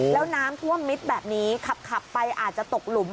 แล้วน้ำท่วมมิดแบบนี้ขับไปอาจจะตกหลุม